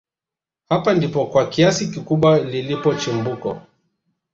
hapa ndipo kwa kiasi kikubwa lilipo chimbuko